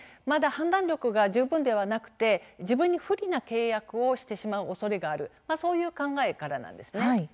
まだ判断力が十分ではなくて自分に不利な契約をしてしまうおそれがあるそういう考えからなんです。